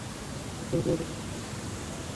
গর্দান পুরোটা না কাটলেও শাহরগ ঠিকই কেটে যায়।